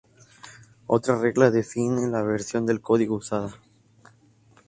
Otra regla define la versión del código usada.